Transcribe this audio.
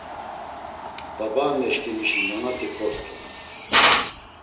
Babaaneşǩimişi nanati kort̆u.